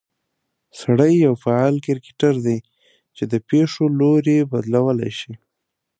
سړى يو فعال کرکټر دى، چې د پېښو لورى بدلولى شي